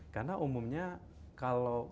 karena umumnya kalau